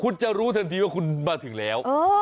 คุณจะรู้ทันทีว่าคุณมาถึงแล้ว